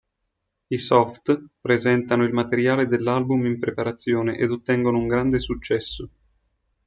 I Soft presentano il materiale dell'album in preparazione ed ottengono un grande successo.